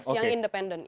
persis yang independen